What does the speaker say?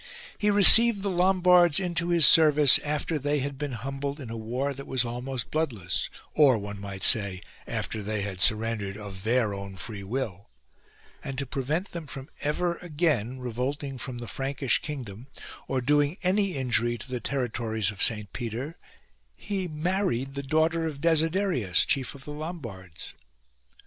He received the Lom bards into his service after they had been humbled in a war that was almost bloodless, or (one might say), after they had surrendered of their own free will ; and to prevent them from ever again revolting THE LOMBARDS from the Prankish kingdom or doing any injury to the territories of Saint Peter, he married the daughter of Desiderius, chief of the Lombards.